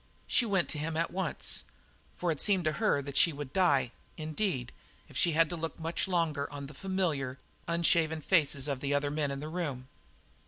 She went to him at once, for it seemed to her that she would die, indeed, if she had to look much longer on the familiar, unshaven faces of the other men in the room.